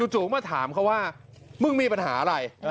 มาถามเขาว่ามึงมีปัญหาอะไร